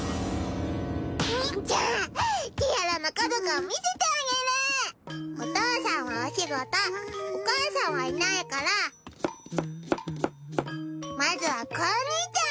じゃあてぃあらの家族を見せてあげるお父さんはお仕事お母さんはいないからまずは光お兄ちゃん！